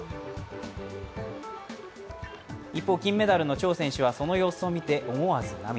一方、金メダルの張選手はその様子を見て、思わず涙。